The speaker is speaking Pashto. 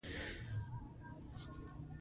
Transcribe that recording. په داسي حال كي چي د آسمانونو او زمكي